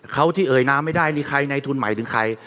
เขาที่เอ่ยน้ำไม่ได้ในทุนใหม่นี่ใคร